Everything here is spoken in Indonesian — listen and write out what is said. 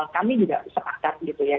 kami juga sepakat gitu ya